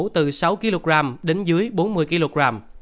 từ sáu kg đến dưới bốn mươi kg